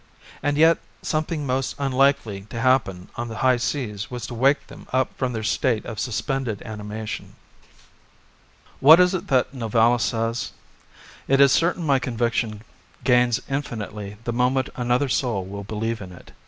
And yet something most unlikely to happen on the high seas was to wake them up from their state of suspended animation. What is it that Novalis says? "It is certain my conviction gains infinitely the moment another soul will believe in it."